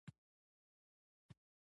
د غاښونو د حساسیت لپاره کوم تېل وکاروم؟